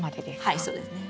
はいそうですね。